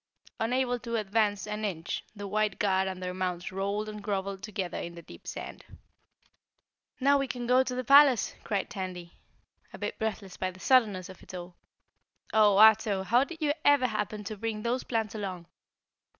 Unable to advance an inch, the white guard and their mounts rolled and groveled together in the deep sand. "Now we can go on to the palace!" cried Tandy, a bit breathless by the suddenness of it all. "Oh, Ato, how did you ever happen to bring those plants along?"